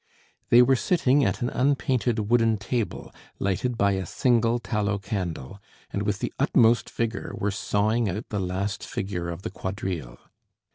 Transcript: They were sitting at an unpainted wooden table, lighted by a single tallow candle, and with the utmost vigour were sawing out the last figure of the quadrille.